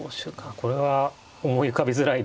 これは思い浮かびづらいですね。